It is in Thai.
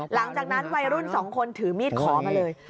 หลังจากนั้นวัยรุ่น๒คนถือมีดขอมาเลย